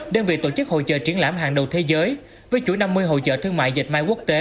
đơn vị tổ chức hội trợ triển lãm hàng đầu thế giới với chuỗi năm mươi hội trợ thương mại dệt may quốc tế